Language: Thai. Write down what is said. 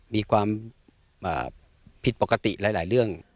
มีความผิดปกติหลายเรื่อง